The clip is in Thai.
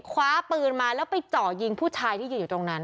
คว้าปืนมาแล้วไปเจาะยิงผู้ชายที่ยืนอยู่ตรงนั้น